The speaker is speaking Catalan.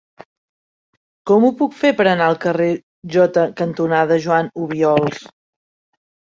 Com ho puc fer per anar al carrer Jota cantonada Joan Obiols?